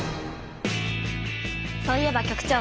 そういえば局長。